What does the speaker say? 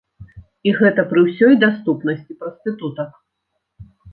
І гэта пры ўсёй даступнасці прастытутак.